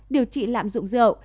điều trị lạm dụng rượu